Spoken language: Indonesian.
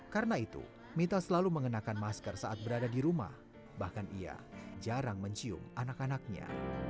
karena itu mita selalu mengenakan masker saat berada di rumah bahkan ia jarang mencium anak anaknya